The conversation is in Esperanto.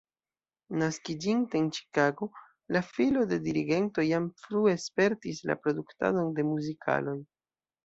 Naskiĝinte en Ĉikago, la filo de dirigento jam frue spertis la produktadon de muzikaloj.